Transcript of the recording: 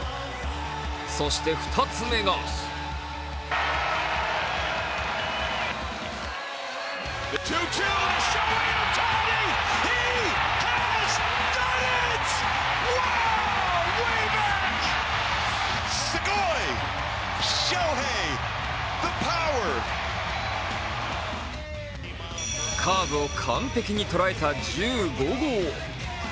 そして２つ目がカーブを完璧に捉えた１５号。